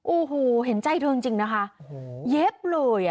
โอ้โหเห็นใจเธอจริงจริงนะคะโอ้โหเย็บเลยอ่ะ